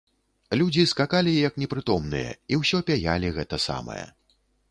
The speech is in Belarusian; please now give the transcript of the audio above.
Людзі скакалі, як непрытомныя, і ўсё пяялі гэта самае.